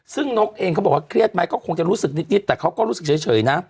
ซึ่งนกเองเขาบอกว่าเครียดไหมก็คงจะรู้สึกนิดแต่เขาก็รู้สึกเฉยนะ